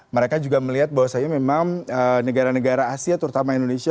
mereka juga melihat bahwasannya memang negara negara asia terutama indonesia